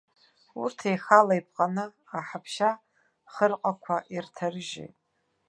Урҭ еихала иԥҟаны аҳаԥшьа-хырҟақәа ирҭарыжьит.